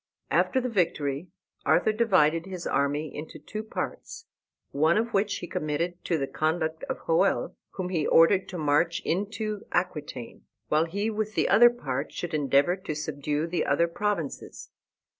After the victory Arthur divided his army into two parts, one of which he committed to the conduct of Hoel, whom he ordered to march into Aquitaine, while he with the other part should endeavor to subdue the other provinces.